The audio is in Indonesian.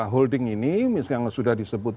holding ini yang sudah disebut